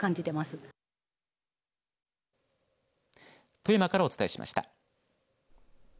富山からお伝えしました。